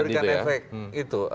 memberikan efek itu